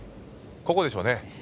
ここでしょうね。